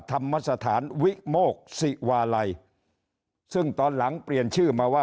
ธรรมสถานวิโมกศิวาลัยซึ่งตอนหลังเปลี่ยนชื่อมาว่า